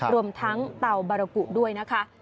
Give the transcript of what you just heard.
รวมทั้งเตาบารกุด้วยนะคะ